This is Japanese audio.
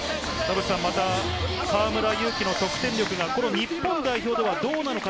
河村勇輝の得点力が日本代表ではどうなのか